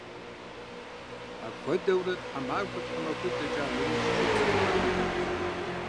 Апхуэдэурэ, тхьэмахуэ-тхьэмахуитӀ дэкӀа нэужь, шыр цӀыкӀухэр къожэпхъ.